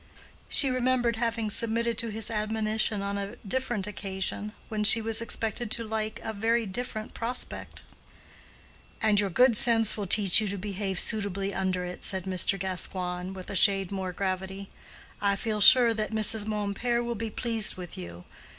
She remembered having submitted to his admonition on a different occasion when she was expected to like a very different prospect. "And your good sense will teach you to behave suitably under it," said Mr. Gascoigne, with a shade more gravity. "I feel sure that Mrs. Mompert will be pleased with you.